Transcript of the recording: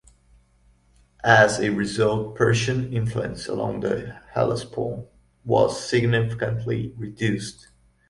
As a result, Persian influence along the Hellespont was significantly reduced.